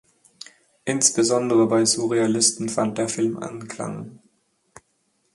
Insbesondere bei Surrealisten fand der Film Anklang.